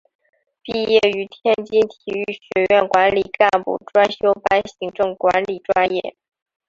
毕业于天津体育学院管理干部专修班行政管理专业。